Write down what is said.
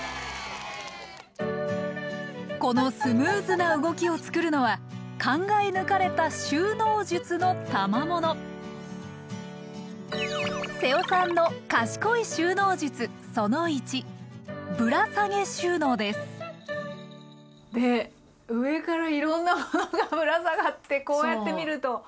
このスムーズな動きを作るのは考え抜かれた収納術のたまもの瀬尾さんの賢い収納術で上からいろんなものがぶら下がってこうやってみると。